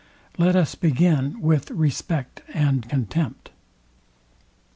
Let us begin with respect and contempt.